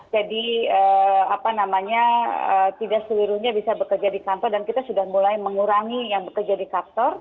jadi apa namanya tidak seluruhnya bisa bekerja di kantor dan kita sudah mulai mengurangi yang bekerja di kantor